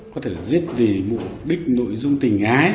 có thể là giết vì mục đích nội dung tình ái